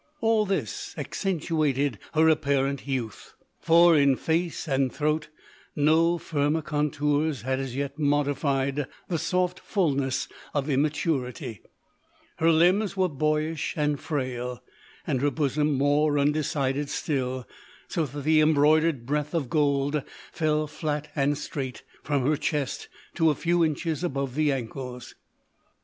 All this accentuated her apparent youth. For in face and throat no firmer contours had as yet modified the soft fullness of immaturity; her limbs were boyish and frail, and her bosom more undecided still, so that the embroidered breadth of gold fell flat and straight from her chest to a few inches above the ankles.